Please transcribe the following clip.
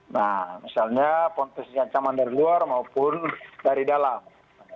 nah misalnya potensi ancaman dari luar maupun dari dalam